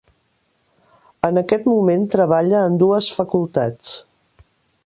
En aquest moment treballa en dues facultats.